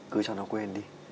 cứ cho nó quên đi